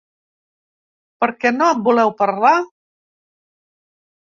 Per què no en voleu parlar?